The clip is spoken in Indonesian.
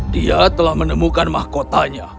dia telah menemukan mahkotanya